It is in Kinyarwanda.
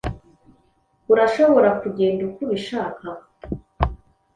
Urashobora kugenda uko ubishaka.